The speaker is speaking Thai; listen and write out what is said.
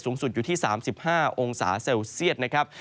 สูงสุดอยู่ที่๓๕องศาเซลเซียตนะครับ